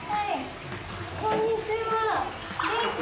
こんにちは元気？